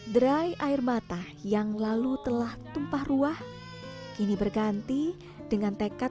derai air mata yang lalu telah tumpah ruah kini berganti dengan tekad